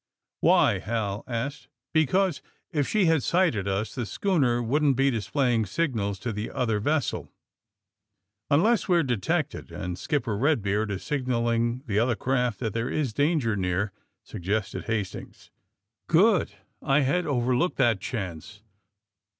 "Why?" Hal asked. "Because, if she had sighted us, the schooner wouldn't be displaying signals to the other ves sel." "Unless we're detected, and Skipper Ked beard is signaling the other craft that there is danger near," suggested Hastings. '' Good ! I had overlooked that chance.